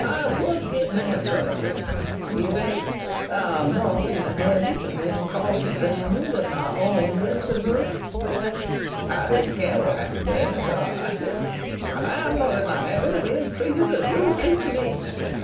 I would get an answer out of him. He said: "'I'm not in the habit of being cross examined in my own dressing room.' "I didn't care what happened then, so I said: "'And I'm not in the habit of being treated as you're treating me.'